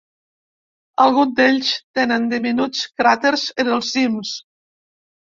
Alguns d'ells tenen diminuts cràters en els cims.